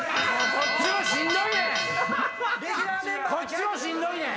こっちもしんどいねん！